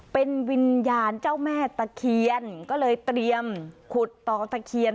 เป็นวิญญาณเจ้าแม่ตะเคียนก็เลยเตรียมขุดต่อตะเคียน